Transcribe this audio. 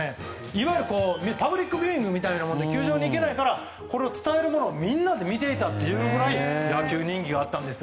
いわゆるパブリックビューイングみたいなもので球場に行けないからこれを伝えるものをみんなで見ていたというぐらい野球人気があったんです。